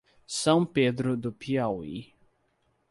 São Pedro do Piauí